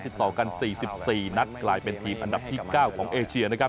ต่อกัน๔๔นัดกลายเป็นทีมอันดับที่๙ของเอเชียนะครับ